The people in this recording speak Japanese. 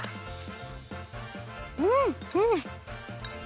うん！